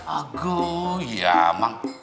aduh ya emang